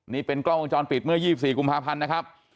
นี่เป็นกล้องวงจรปิดเมื่อ๒๔กุมภาพันธ์นะครับ